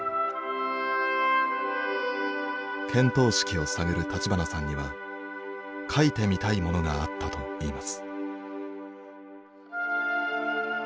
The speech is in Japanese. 見当識を探る立花さんには書いてみたいものがあったといいます。